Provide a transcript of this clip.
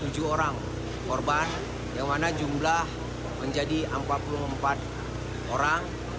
tujuh orang korban yang mana jumlah menjadi empat puluh empat orang